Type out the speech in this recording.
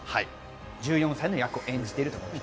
１４歳の役を演じています。